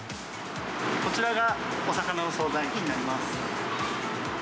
こちらがお魚の総菜になりま